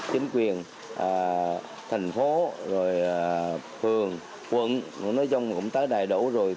chính quyền thành phố rồi phường quận nói chung cũng tới đầy đủ rồi